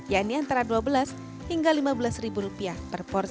yakni antara dua belas hingga lima belas ribu rupiah per porsi